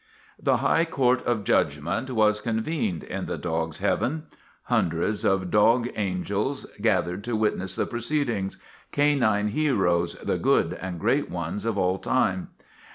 * The high court of judgment was convened in the MAGINNIS 69 Dogs' Heaven. Hundreds of dog angels gathered to witness the proceedings canine heroes, the good and great ones of all time.